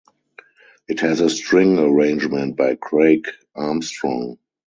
It has a string arrangement by Craig Armstrong.